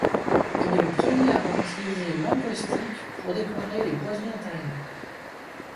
Il est le premier à avoir utilisé l'encaustique pour décorer les boiseries intérieures.